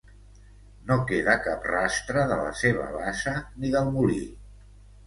No queda cap rastre de la seva bassa ni del molí.